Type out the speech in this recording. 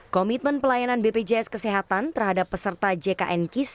komitmen pelayanan bpjs kesehatan terhadap peserta jknkis